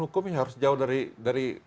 hukum ini harus jauh dari